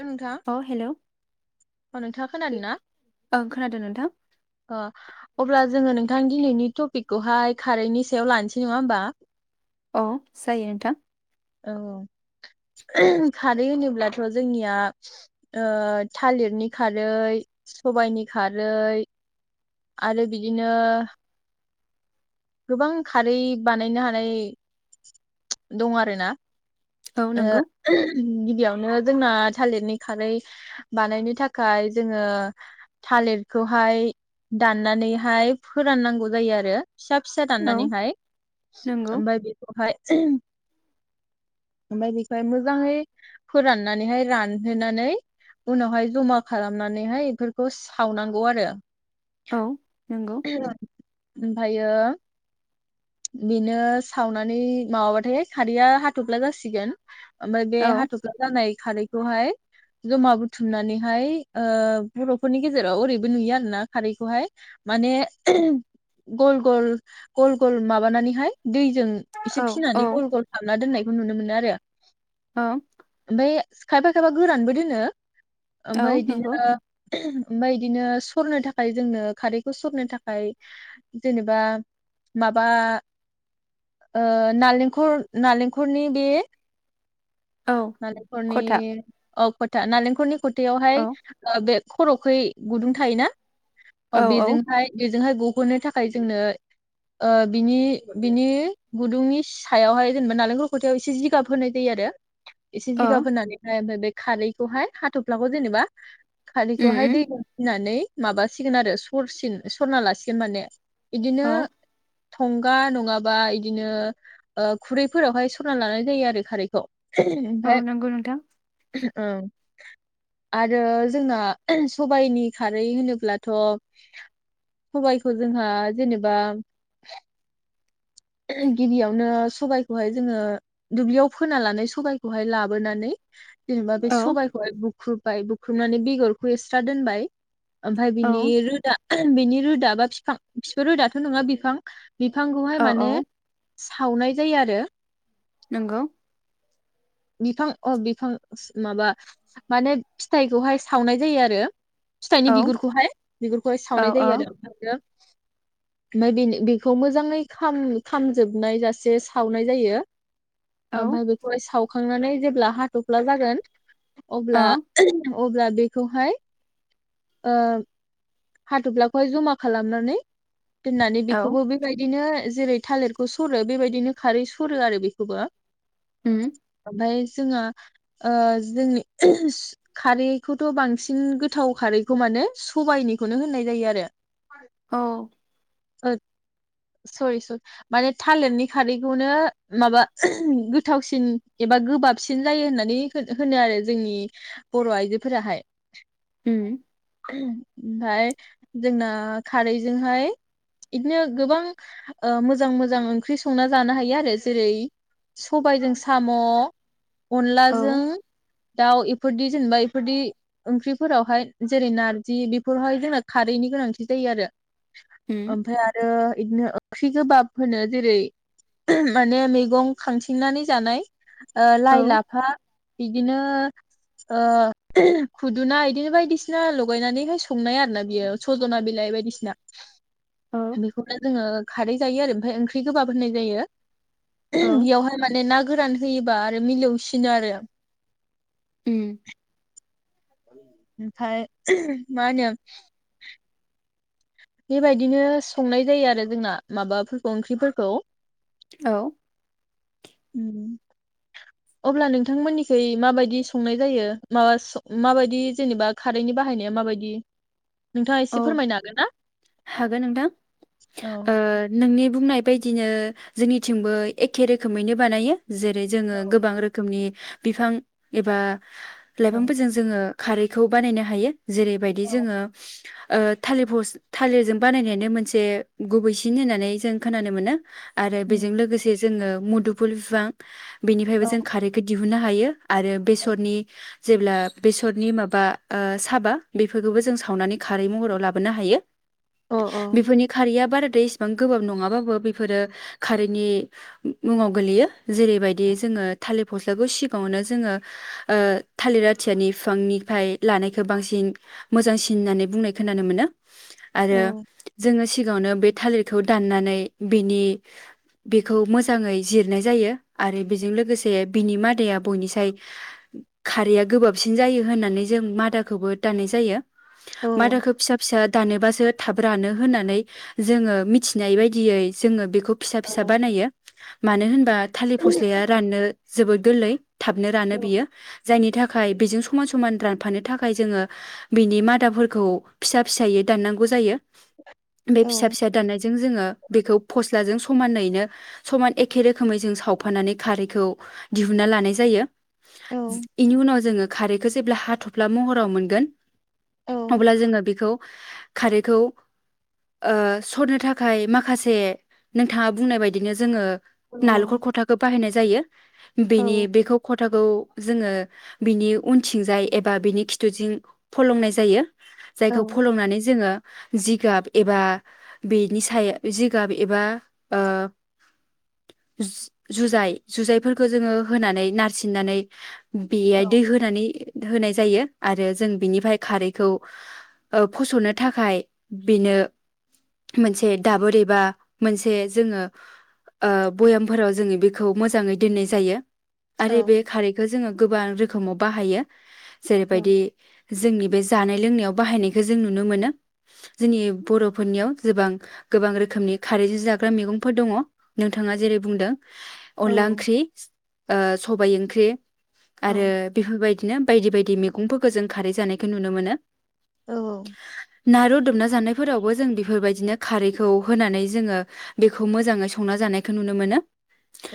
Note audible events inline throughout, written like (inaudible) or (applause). ओ नोंथां अ हेलौ अ नोंथांङा खोनादों ना? ओं खोनादों नोंथां अ अब्ला जोंङो नोंथां दिनैनि टपिकखौहाय खारैनि सायाव लानोसै नंङा होमबा? अ जायो नोंथां। औ खारै होनोब्लाथ' जोंनिया ओ थालिरनि खारै सबायाइनि खारै आरो बिदिनो गोबां खारै बानायनो हानाय दं आरोना। औ ओ नंगौ गियावनो जोंना थालिरनि खारै बानायनो थाखाय जोंङो थालिरखौहाय दाननानैहाय फोराननांगौ जायो आरो। फिसा फिसा औ दाननानैहाय नंगौ ओमफ्राय बेखौहाय ओमफाय बेखौहाय मोजांङै फोराननानैहाय रानहोनानै उनावहाय जमा खालामनानैहाय एफोरखौ सावनांगौ आरो। औ नंगौ। ओमफायो बेनो सावनानै माबाबाथाय खारैया हाथफ्ला जासिगोन। ओमफा बे औ हाथफ्ला जानाय खारैखौहाय जमा बुथुमनानैहाय ओ बर'फोरनि गेजेराव ओरैबो नुयो आरोना खारैखौहाय माने गल गल गल गल माबानानैहाय दैजों एसे औ औ फिनानै गल-गर खालाबना दोननाय नुनो मोनो आरो ओं । बेै खायफा खायफा गोरानबो दोनो। औ आमफाय नंगौ इदिनो ओमफाय इदिनो सरनो थाखाय जोंनो खारैखौ सरनो थाखाय जेनेबा माबा ओ नालेंखर नालेंखरनि बे औ नारेंखरनि खथा ओफ खथा नालेंखरनि खथाययावहाय औ ओ बे खर'खै गुदुं थायोना? औ अ औ बेजोंहाय बे जोंहाय गुखनो थाख खाय जोंनो ओ बिनि बिनि गुदुंनि सायावहाय जेनेबा नालेंखल खथायाव एसे जिगाब होनाय जायो आरो । एसे ओ जिगाब होनानै हाय उमफाय बेख खारैखौहाय हाथ'फ्लाखौ जेनेबा खालि उम खौहाय उम दैजों फिनानै माबासिगोन आरो सरसिन सरना लासिगोन माने । बिदिनो औ थंगा नंङाबा इदिनो ओ खुरैफोरावहाय सरना लानाय जायो आरो खारैखौ । औ ओमफाय नंगौ नोंथां ओं आरो जोंना सबायाइनि खारै होनोब्लाथ' सबयखौ जोंहा जेनेबा ओ गिबियावनो सबाइखौहाय जोङो दुब्लियाव फोना लानानै सबाइखौहाय लाबोनानै जेनेबा बे औ सबाइखौहाय बुख्रुबबाय बुख्रुबनानै बेगरखौ एस्रा दोनबाय ओमफफ्राय औ बिनि रोदा बेनि रोदा बा फिफ बिफां बिफोर रोदाथ' नङा बिफां बिफांखौहाय औ माने औ सावनाय जायो आरो । नंगौ। बिफां अ बिफां माबा माने फिथाइखौहाय सावनाय जायो आरो फिथाइनि औ बिगुरखौहाय बिगुरखौहाय औ सावनाय जायो आरो ओमफ्रायो ओमफ्राय बे बेखौ मोजाङै खामजोबनाय जासे सावनाय जायो औ ओ ओमफाय बेखौहाय साव हुखांनानै जेब्ला हाथ'फ्ला जागोन अब्ला अब्ला बेखौहाय ओ हाथफ्लाखौहाय जमा खालामनानै दोननानै औ बेखौबो बेबायदिनो जेरै थालिरखौ सरो बेबायदिनो खारै सरो आरो बेखौबो उम ओमफाय जोंआ ओ जोंनि खारैखौथ' बांसिन गोथाव खारैखौ माने सबायनि बेखौनो होननाय जायो आरो औ ओ सरि सरि माने थालिरनि खारैखौनो माबा गोथावसिन एबा गोबाबसिन जायो होननानै होनो आरो जोंनि बर' आइजोफोराहाय उम ओमफाय जोंना खारैजोंहाय बिदिनो गोबां ओ मोजां मोजां ओंख्रि संनानै जानो हायो आरो जेरै सबायजों साम' औ अनलाजों दाउ एफोरदि जेनेबा एफोरदि ओंख्रिफोरावहाय जेरै नारजि बेफोरावहाय जोंना खारैनि गोनांथि जायो आरो उम ओमफ्राय आरो बिदिनो ओंख्रि गोबाब होनो जेरै माने मैगं खांथिंनानै जानाय ओ औ लाइ लाफा बिदिनो ओ खुदुना बिदिनो बायदिसिना लगायनानैहाय संनाय आरो ना बियो सजना बिलाइ बायदिसिना औ हेलौ जोङो खारै जायो आरो ओमफ्राय ओंख्रि गोबाब होननाय जायो। औ बेयावहाय माने ना गोरान होयोबा आरो मिलौसिनो आरो उम ओमफाय मा होनो बेबायदिनो संनाय जायो आरो जोंना माबाफोरखौ ओंख्रिफोरखौ औ ओम अब्ला नोंथांमोननिखै माबायदि संनाय जायो माबा माबायदि जेनेबा खारैनि बाहायनाया माबायदि नोंथाङा औ एसे फोरमायनो हागोन ना? हागोन नोंथां औ ओ नोंनि बे बुंनाय बायदिनो जोंनिथिंबो एखे रोखोमैनो बानायो। जेरै जोङो गोबां रोखोमनि बिफां एबा औ लाइफांफोरजों जोङो खारैखौ बानायनो हायो जेरैबायदि जोङो ओ थालिर फस थालिरजों बानायनायानो मोनसे गुबैसिन होननानै जों खोनानो मोनो। आरो उम बेजों लोगोसे जोङो मुदुफुल बिफां बेनिफ्रायबो औ जों खारैखौ दि बुनो हायो। आरो बेसरनि जेब्ला बेसरनि माबा साबा बेफोरखौबो जों सावनानै खारै महराव लाबोनो हायो। औ बेफोरनि खारैया बारा दै एसेबां गोबाब नङा बाबो बेफोरो खारैनि मुङाव गोग्लैयो जेरैबादि जोङो थालेर फस्लखौ सिगाङावनो जोङो ओ थालिर आथियानि बिफांनिफ्राय लानायखौ बांसिन मोजांसिन होन बुंनाय खोनानो मोनो औ आरो जोङो सिगाङावनो बे थालिरखौ दाननानै बिनि बेखौ मोजाङै जिरनाय जायो आरो बेजों लोगोसे बिनि मादाया बयनिसाय खारैया गोबाबसिन जायो होननानै जों मादाखौबो दाननाय जायो। औ मायादाखौ फिसा फिसा दानोबासो थाब रानो होननानै जोङो मिथिनाय बायदियै जोङो बेखौ फिसा फिसा बानायो मानो होनबा थालिर फस्लाया राननो जोबोद गोरलै थाबनो रानो बियो जायनि था थाखाय बेजों समान समान रानफानो थाखाय जोङो बिनि मादाफोरखौ गौ फिसा फिसायै दाननांगौ जायो बे फिसा फिसा दाननाय जों जोङो बेखौ फस्लाजों समानैनो समान एखे रोखोमै जों सावफानानै खारैखौ दिहुनना लानाय जायो। औ इनि उनाव जोङो खारैखौ जेब्ला हाथफ्ला महराव मोनगोन अब्ला जोङो बेखौ खारैखौ ओ सरनो थाखाय माखासे नोंथाङा बुंनाय बायदिनो जोङो नालेंखर औ खथाखौ बाहायनाय जा जायो औ बेनि बेखौ खद। खथाखौ जोङो बिनि उनथिंजाय एबा बिनि खिथुजोंं फलंनाय जायो जायखौ फलंनानै जोङो। जिगाब एबा बेनि सायाव जिगाब एबा जुजाय जुजायफोरखौ जोङो होनानै नारसिननानै बेयाय दै होनानै होनाय जायो आरो जों बिनिफ्राय खारै ओ फसनो थाखाय बेनो मोनसे दाबोर एबा मोनसे जोङो ओ भयामफोराव जोङो बेखौ मोजाङै दोननाय जायो आरो बे खारैखौ जोङो। गोबां रोखोमाव बाहायो। जेरैबायदि जोंनि बे जानाय लोंनायाव बाहायनायखौ जों नुनो मोनो जोंनि बर'फोरनियाव जबां गोबां रोखोमनि खारैजों जाग्रा मैगंफोर दङ नोंथाङा जेरै बुंदों अनला ओंख्रि सबाय ओंख्रि आरो बेफोरबायदिनो बायदि बायदि मैगंफोरखौ जों खारै जानायखौ नुयो नुनो मोनो औ औ ना रुदुमना जानायफोरावबो जों बेफोरबायदिनो खारैखौ होनानै जोङो बेखौ मोजाङै संना जानायखौ नुनो मोनो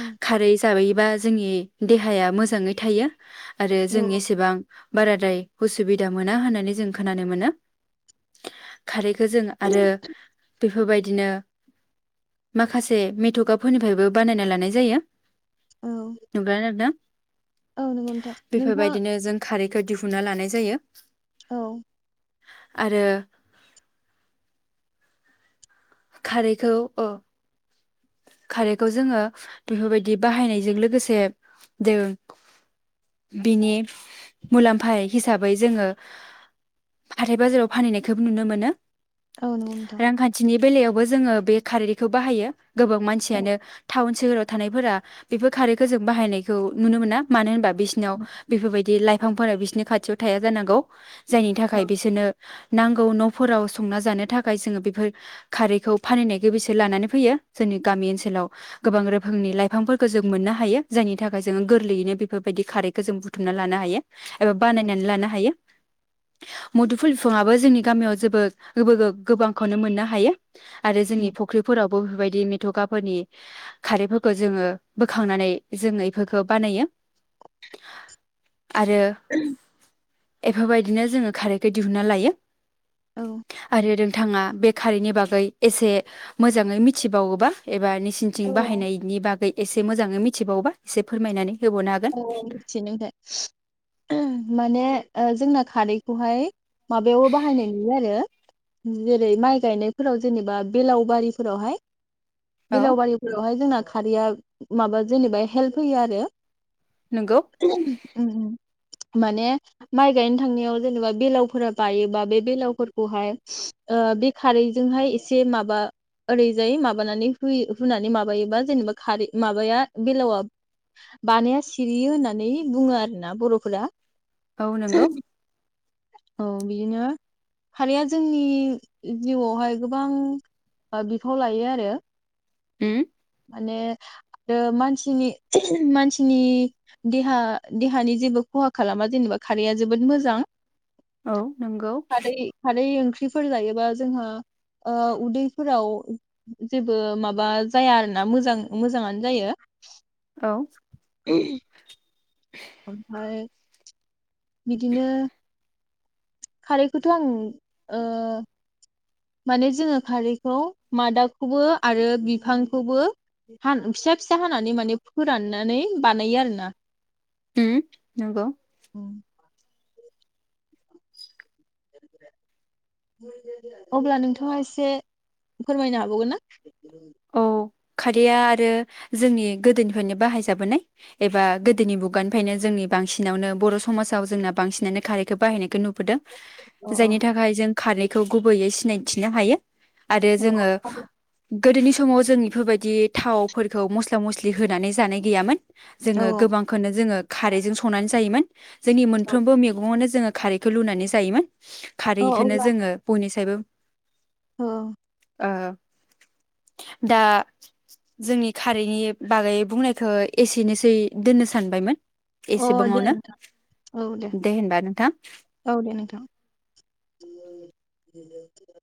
औ खारै जायोबा जोंनि देहाया मोजाङै थायो आरो औ जों एसेबां बारा ाय खसुबद मोना होननानै जों खोनानो मोनो गोजोन आरो बेफोरबायदिनो माखासे मेथ'गाफोरनिफ्रायबो बानायना लानाय जायो। औ नुब्रानोदों औ नंगौ नोंथां नोंथाङा बेफोरबायदिनो जों खारैखौ दिहु। फुना लानाय जायो। (inaudible) औ।‌ आरो खारैखौ अ खारैखौ जोङो, बेफोरबायदि बाहायनायजों लोगोसे, बिनि मुलाम्फा हिसाबै जोङो हाथाय बाजाराव फानहैनायखौ नुनो मोनो। औ नंगौ नोंथां रांखान्थिनि बेलायाव बो जोङो बे खारैखौ बाहायो। गोबां मानसियानो टाउन सोहोराव। थानायफोरा बेफोर खारैखौ जों बाहायनायखौ नुनो मोना? मानो होनबा बिसिनाव बेफोरबायदि लाइफ बिफांफोरा बिसोरनि खाथियाव थाया जानांगौ। जायनि थाखाय औ बिसोरनो। नांगौ न'फोराव संना जानो थाखाय जोङो बेफोर, खारैखौ फानहनाय गोबसोर लानानै फैयो। जोंनि गामि ओनसोलाव, गोबां रोखोमनि लाइफांफोरखौ जों मोननो हायो। जायनि थाखाय जोङो गोरलैयैनो बेफोरबायदि खारैखौ जों बुथुमना लानो हायो। एबा बानायनानै लानो हायो। मुदुफुल बिफाङआो जोंनि गामियाव जेबो गोबांखौनो मोननो हायो। आरो जोंनि फुख्रिफोरावबो बेबायदि। बिदि मेथ'खाफोरनि खारैफोरखौ जोङो बोखांनानै जोङो बेफोरखौ बानायो। आरो। एफोरबायदिनो जोङो खारैखौ दिहुनना लायो। औ आरो नोंथाङा बे खारैनि बागै एसे मोजाङै मि मिथिबावोबा एबा सिनथिं औ बाहायनायनि बागै एसे मोजाङै मिथि मिथिबावबा एसे फोरमायनानै होबावनो हागोन औ मिसे नोगो। माने ओ जोंना खारैखौहाय माबायावबो बाहायनाय नुयो आरो, जेरै माइ गायनायफोराव जेनेबा बेलाव बारिफोरावहाय। औ बेलावबारिफोरावहाय जोंना खारैया माबा जेनेबा हेल्प होयो आरो। नंगौ उम उम। माने माइ गायनो थांनायाव जेनेबा बेलावफोरा बायोबा, बे बेलावफोरखौहाय ओ बे खारैजोंहाय एसे माबा ओरैजाय माबानानै हुनानै माबायोबा जेनेबा खारै माबाया बेलावा बानाया सिरियो होननानै बुङो आरो ना, बरफोरा औ नंगौ। औ बिदिनो खारिया जोंनि जिउआवहाय गोबां बिफाव लायो आरो। ह माने आरो मानसिनि मान नि देहा देहानि जेबो खहा खालामा जेनेबा खारैया जोबोद मोजां औ नंगौ खााल खााल फुख्रिफोर जायोबा जोंहा उदैफोराव जेबो माबा जाया आरोना मोजां मोजाङानो जायो औ (inaudible) ओमफ्राय बिदिनो खारैखौथ' आं माने जोङो खारैखौ मादाखौबो आरो बिफांखौबो फिसा फिसा हानानै माने फोराननानै बानायो आरोना ह नंगौ उम अब्ला नोंथांङा एसे फोरमायनो हाबावगोन ना (inaudible) औ खारैया आरो जोंनि गोदोनिफ्रायनो बाहायजाबोनाय एबा गोदोनि मुगानिफ्रायनो जोंनि बांसिनावनो बर' समाजाव जोंना बांसिनानो खारैखौ बाहायनायखौ नु बोदो अ जायनि थाखाय जों खारैखौ गुबैयै सिनायथिनो हायो आरो अ औ जोंङो गोदोनि समाव जों बेफोरबायदि थावफोरखौ मस्ला मस्लि होनानै जानाय गैयामोन जोंङो औ गोबांखोनो जोंङो खारैजों संनानै जायोमोन जोंनि औ मोनफ्रोमबो मैगंङावनो ज जोङो खारैखौ लुनानै जायोमोन औ खारैखोनो अब्ला जोंङो बयनिसि जबो औ ओ दा जोंनि खारैनि बागै बुंनायखौ एसेनोसै दोननो सानबायमोन अ दे एसेबांङावनो नोंथां दे होनबा नोंथां औ दे नोंथां। (unintelligible)